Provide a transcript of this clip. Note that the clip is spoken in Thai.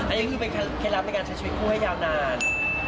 อันนี้คือเป็นเคล็ดในการช่วยช่วยคู่ให้ยาวนาน